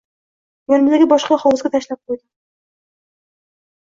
Yonidagi boshqa hovuzga tashlab qoʻydim.